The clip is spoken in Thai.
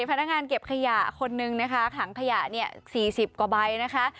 พนักงานเก็บขยะคนนึงนะคะถังขยะเนี่ย๔๐กว่าใบนะคะ